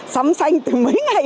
sắm xanh từ mấy ngày